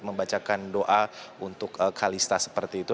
membacakan doa untuk kalista seperti itu